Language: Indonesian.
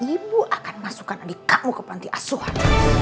ibu akan masukkan adik kamu ke panti asuhan